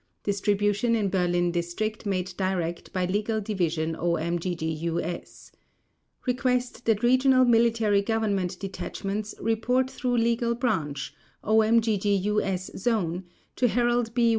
Distribution in Berlin District made direct by Legal Division, OMGGUS. Request that regional military government detachments report through Legal Branch, OMGGUS Zone, to Harold B.